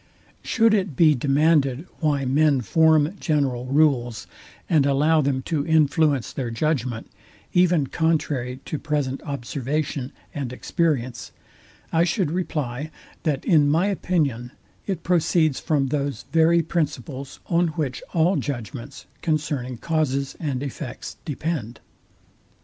Should it be demanded why men form general rules, and allow them to influence their judgment, even contrary to present observation and experience, I should reply, that in my opinion it proceeds from those very principles, on which all judgments concerning causes and effects depend.